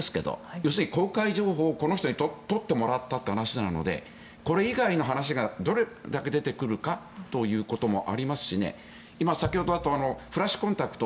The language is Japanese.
要するに公開情報をこの人に取ってもらったという話なのでこれ以外の話がどれだけ出てくるかということもありますし今、先ほどあったフラッシュコンタクト。